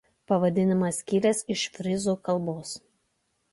Pavadinimas kilęs iš fryzų kalbos.